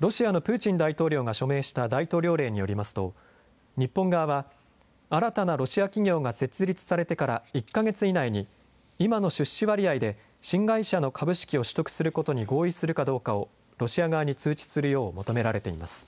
ロシアのプーチン大統領が署名した大統領令によりますと、日本側は、新たなロシア企業が設立されてから１か月以内に今の出資割合で、新会社の株式を取得することに合意するかどうかをロシア側に通知するよう求められています。